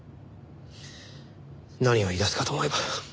何を言い出すかと思えば。